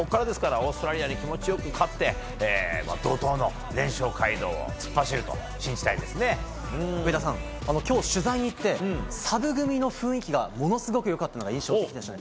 オーストラリアに気持ちよく勝って怒涛の連勝街道を突っ走ると上田さん、今日取材をしてサブ組の雰囲気がものすごく良かったのが印象的でした。